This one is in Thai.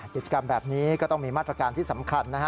กิจกรรมแบบนี้ก็ต้องมีมาตรการที่สำคัญนะฮะ